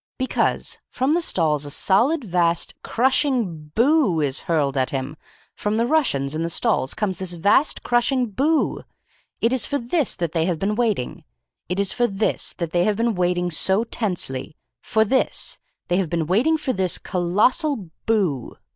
"Because from the stalls a solid, vast, crushing 'Boo!' is hurled at him. From the Russians in the stalls comes this vast, crushing 'Boo!' It is for this that they have been waiting. It is for this that they have been waiting so tensely. For this. They have been waiting for this colossal 'Boo!'